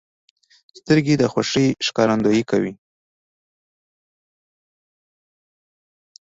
سترګې د خوښۍ ښکارندویي کوي